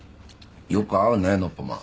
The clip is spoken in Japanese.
よく会うねノッポマン。